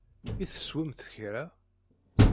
I teswemt kra?